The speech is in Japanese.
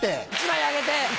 １枚あげて。